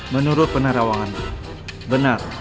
menurut penarawangannya benar